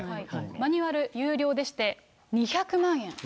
マニュアル有料でして、２００万円。